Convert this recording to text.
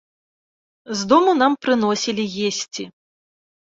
З дому нам прыносілі есці.